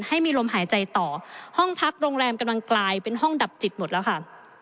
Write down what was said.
ให้มีลมหายใจต่อห้องพักโรงแรมกำลังกลายเป็นห้องดับจิตหมดแล้วค่ะ